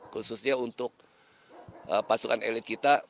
khususnya untuk pasukan elit kita